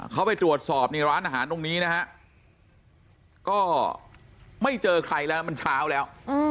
เขาไปตรวจสอบนี่ร้านอาหารตรงนี้นะฮะก็ไม่เจอใครแล้วนะมันเช้าแล้ว